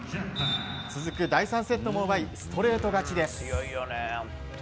続く第３セットを奪いストレート勝ちです。